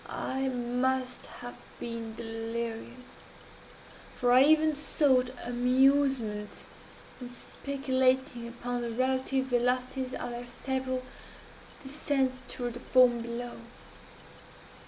I must have been delirious for I even sought amusement in speculating upon the relative velocities of their several descents toward the foam below.